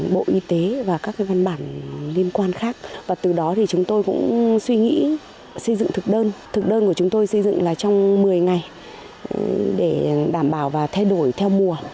bộ y tế và các văn bản liên quan khác và từ đó thì chúng tôi cũng suy nghĩ xây dựng thực đơn thực đơn của chúng tôi xây dựng là trong một mươi ngày để đảm bảo và thay đổi theo mùa